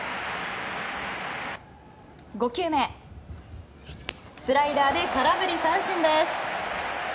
５球目スライダーで空振り三振です。